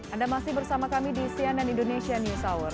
anda masih bersama kami di cnn indonesia news hour